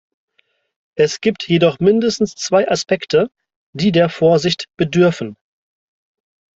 Es gibt jedoch mindestens zwei Aspekte, die der Vorsicht bedürfen.